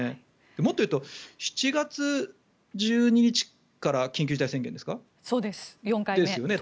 もっと言うと、７月１２日から緊急事態宣言ですか。